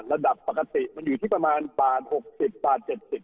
ระดับปกติมันอยู่ที่ประมาณบาท๖๐บาท๗๐บาท